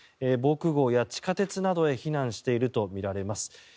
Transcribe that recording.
防空壕や地下鉄などへ避難しているとみられます。